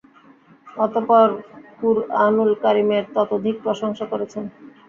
অতঃপর কুরআনুল করীমের ততোধিক প্রশংসা করেছেন।